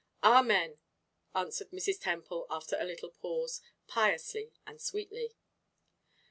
"Amen," answered Mrs. Temple, after a little pause, piously and sweetly.